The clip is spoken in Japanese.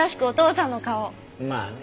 まあね。